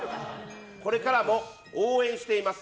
これからも応援しています。